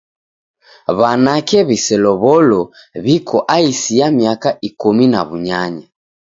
W'anake w'iselow'olo w'iko aisi ya miaka ikumi na w'unyanya.